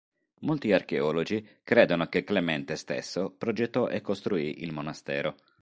Molti archeologi credono che Clemente stesso progettò e costruì il monastero.